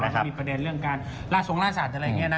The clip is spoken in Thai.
แต่ว่ามันก็มีประเด็นเรื่องการล่าสงค์ล่าศัตริย์อะไรอย่างนี้นะ